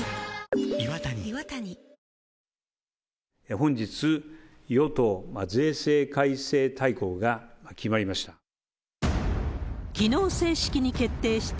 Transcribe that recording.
本日、与党税制改正大綱が決まりました。